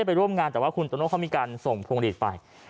ไปร่วมงานแต่ว่าคุณโตโน่เขามีการส่งพวงหลีดไป